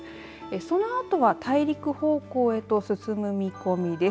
その後は大陸方向へと進む見込みです。